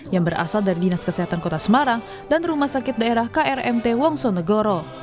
yang berasal dari dinas kesehatan kota semarang dan rumah sakit daerah krmt wongsonegoro